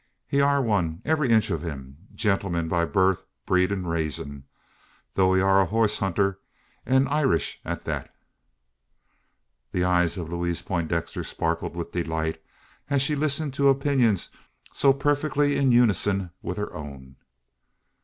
He air one, every inch o' him a gen'leman by barth, breed, an raisin' tho' he air a hoss hunter, an Irish at thet." The eyes of Louise Poindexter sparkled with delight as she listened to opinions so perfectly in unison with her own.